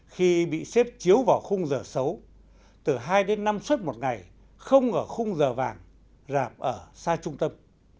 khi bị xếp chiếu vào khung giờ xấu từ hai đến năm xuất một ngày không ở khung giờ vàng rạp ở xa trung tâm